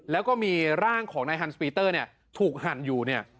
แล้วก็มีร่างของนายฮันส์สปีเตอร์ถูกหันอยู่